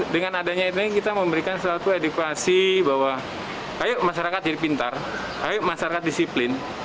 dengan adanya ini kita memberikan suatu edukasi bahwa ayo masyarakat jadi pintar ayo masyarakat disiplin